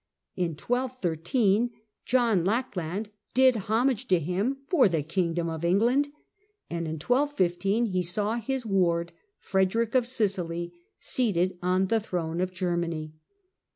In 1213 John Lackland did homage to him for the kingdom of England, and in 1215 he saw his ward Frederick of Sicily seated on the throne of Germany.